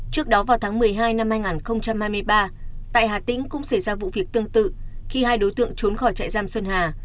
trước đó vào tháng một mươi hai năm hai nghìn hai mươi ba tại hà tĩnh cũng xảy ra vụ việc tương tự khi hai đối tượng trốn khỏi trại giam xuân hà